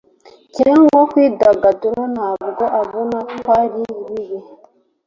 Cyangwa kwidagadura ntago ubona kwari bibi